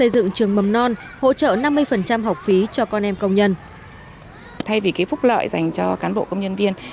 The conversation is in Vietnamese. tổng trường mầm non hỗ trợ năm mươi học phí cho con em công nhân